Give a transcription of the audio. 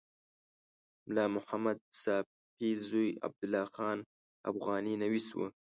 ملا محمد ساپي زوی عبدالله خان افغاني نویس و.